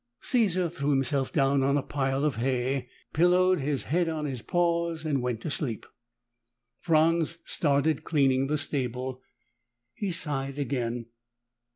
Caesar threw himself down on a pile of hay, pillowed his head on his paws and went to sleep. Franz started cleaning the stable. He sighed again.